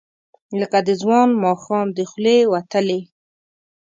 لکه د ځوان ماښام، د خولې وتلې،